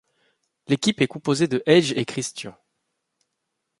L'équipe est composée de Edge et Christian.